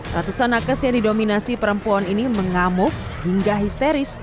ratusan nakes yang didominasi perempuan ini mengamuk hingga histeris